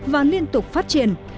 và liên tục phát triển